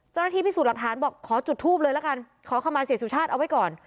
เจ้าหน้าที่พิสูจน์หลักฐานบอกขอจุดทูบเลยละกันขอเข้ามาเสียสุชาติเอาไว้ก่อน